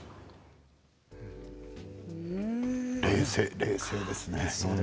冷静ですね。